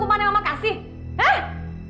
udah pulang ya ampun